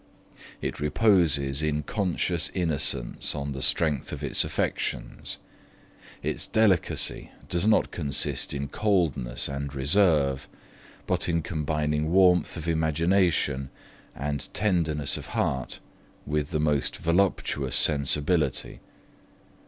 It reposes in conscious innocence on the strength of its affections. Its delicacy does not consist in coldness and reserve, but in combining warmth of imagination and tenderness of heart with the most voluptuous sensibility.